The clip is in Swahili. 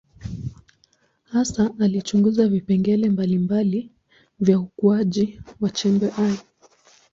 Hasa alichunguza vipengele mbalimbali vya ukuaji wa chembe hai.